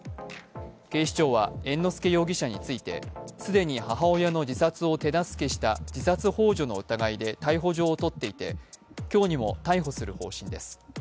警視庁は猿之助容疑者について既に母親の自殺を手助けした自殺ほう助の疑いで逮捕状を取っていて、今日にも逮捕する方針です。